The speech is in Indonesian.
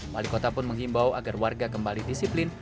wali kota pun menghimbau agar warga kembali disiplin